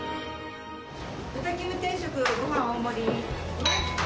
豚キム定食ごはん大盛り。